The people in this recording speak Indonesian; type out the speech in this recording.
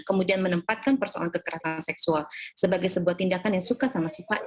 kemudian menempatkan persoalan kekerasan seksual sebagai sebuah tindakan yang suka sama sifatnya